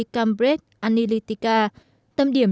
cambridge analytica tâm điểm